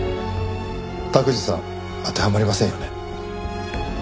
卓司さん当てはまりませんよね。